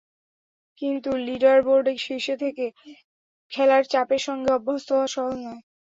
কিন্তু লিডারবোর্ডে শীর্ষে থেকে খেলার চাপের সঙ্গে অভ্যস্ত হওয়া সহজ নয়।